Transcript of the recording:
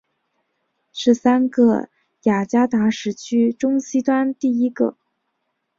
是三个雅加达时区中西端第一个。